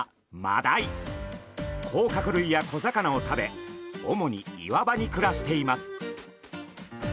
甲殻類や小魚を食べ主に岩場に暮らしています。